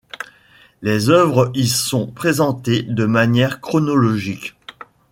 Les œuvres y sont présentées de manière chronologique.